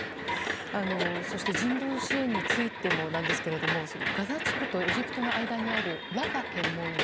そして、人道支援についてもガザ地区とエジプトの間にあるラファ検問所。